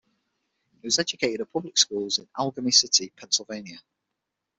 He was educated at public schools in Allegheny City, Pennsylvania.